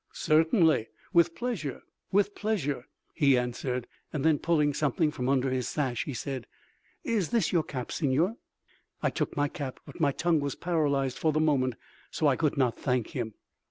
"Certainly—with pleasure, with pleasure!" he answered, and then pulling something from under his sash he said, "Is this your cap, Signor?" I took my cap, but my tongue was paralyzed for the moment so I could not thank him.